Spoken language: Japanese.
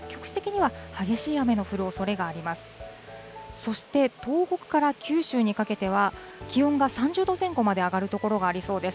そして東北から九州にかけては、気温が３０度前後まで上がる所がありそうです。